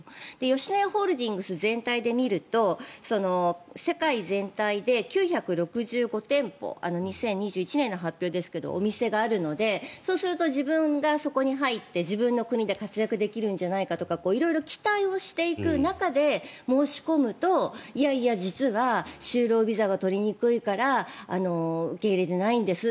吉野家ホールディングス全体で見ると世界全体で９６５店舗２０２１年の発表ですがお店があるのでそうすると、自分がそこに入って自分の国で活躍できるんじゃないかとか色々期待をしていく中で申し込むといやいや、実は就労ビザが取りにくいから受け入れてないんです